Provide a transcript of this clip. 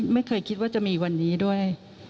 ไม่เคยคิดว่าจะมีวันนี้ด้วย